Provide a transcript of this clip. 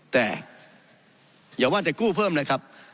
แต่อย่าว่าแต่กู้เพิ่มเลยครับ